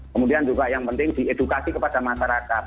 kemudian juga yang penting diedukasi kepada masyarakat